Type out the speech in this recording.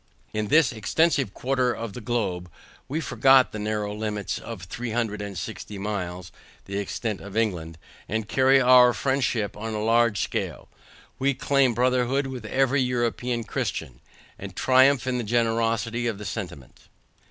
In this extensive quarter of the globe, we forget the narrow limits of three hundred and sixty miles (the extent of England) and carry our friendship on a larger scale; we claim brotherhood with every European christian, and triumph in the generosity of the sentiment.